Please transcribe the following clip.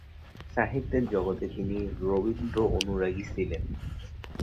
সাহিত্যের জগতে তিনি রবীন্দ্র অনুরাগী ছিলেন।